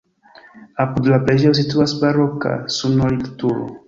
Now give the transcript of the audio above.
Apud la preĝejo situas baroka sonorilturo.